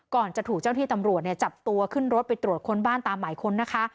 ก่อนจะถูกเจ้าที่ตำรวจจับตัวขึ้นรถไปตรวจค้นบ้านตามหมายค้นนะคะ